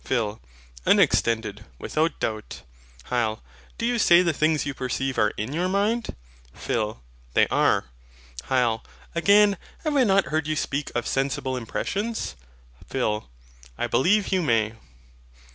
PHIL. Unextended, without doubt. HYL. Do you say the things you perceive are in your mind? PHIL. They are. HYL. Again, have I not heard you speak of sensible impressions? PHIL. I believe you may.